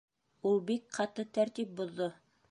Ул бик ҡаты тәртип боҙҙо.